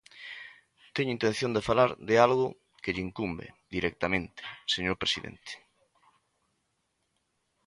Teño intención de falar de algo que lle incumbe directamente, señor presidente.